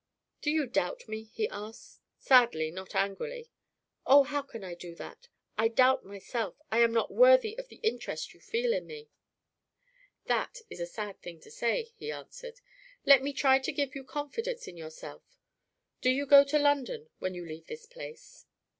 "Do you doubt me?" he asked sadly, not angrily. "Oh, how can I do that! I doubt myself; I am not worthy of the interest you feel in me." "That is a sad thing to say," he answered. "Let me try to give you confidence in yourself. Do you go to London when you leave this place?"